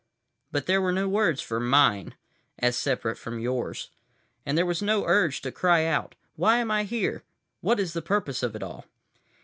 But there were no words for "mine" as separate from "yours." And there was no urge to cry out, "Why am I here? What is the purpose of it all?"